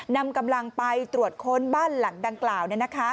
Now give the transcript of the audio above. นำกำลังไปตรวจค้นบ้านหลังดังกล่าว